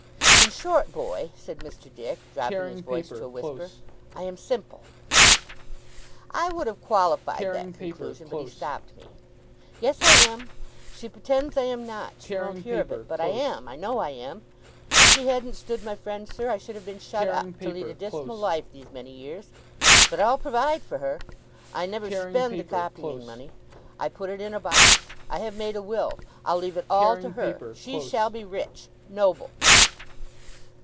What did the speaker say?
'In short, boy,' said Mr. Dick, dropping his voice to a whisper, 'I am simple.' I would have qualified that conclusion, but he stopped me. 'Yes, I am! She pretends I am not. She won't hear of it; but I am. I know I am. If she hadn't stood my friend, sir, I should have been shut up, to lead a dismal life these many years. But I'll provide for her! I never spend the copying money. I put it in a box. I have made a will. I'll leave it all to her. She shall be rich noble!